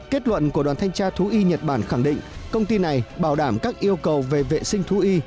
kết luận của đoàn thanh tra thú y nhật bản khẳng định công ty này bảo đảm các yêu cầu về vệ sinh thú y